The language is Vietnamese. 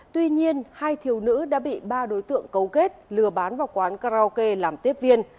tuy nhiên hai thiếu nữ đã bị ba đối tượng cấu kết lừa bán vào quán karaoke làm tiếp viên